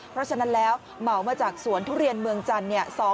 เพราะฉะนั้นแล้วเหมามาจากสวนทุเรียนเมืองจันทร์เนี่ย